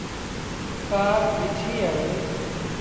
ڪآر بيٚٺيٚ اهي۔